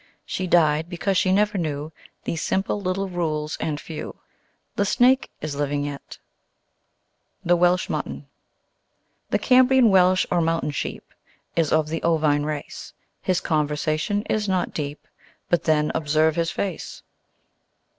She died, because she never knew These simple little rules and few; The Snake is living yet. The Welsh Mutton The Cambrian Welsh or Mountain Sheep Is of the Ovine race, His conversation is not deep, But then observe his face!